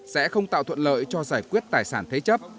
sẽ không tạo thuận lợi cho giải quyết tài sản thế chấp